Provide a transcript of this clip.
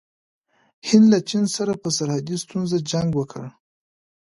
هند له چین سره په سرحدي ستونزه جنګ وکړ.